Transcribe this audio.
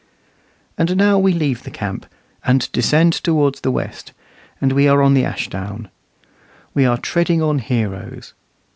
And now we leave the camp, and descend towards the west, and are on the Ashdown. We are treading on heroes.